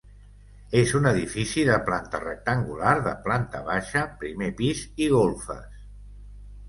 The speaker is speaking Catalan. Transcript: És un edifici de planta rectangular, de planta baixa, primer pis i golfes.